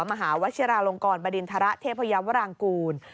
มหาวชิราลงกรบดินทรเทพยาวรางกูล